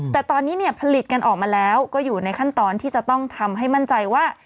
แต่ตอนนี้เนี่ยผลิตกันออกมาแล้วก็อยู่ในขั้นตอนที่จะต้องทำให้มั่นใจว่า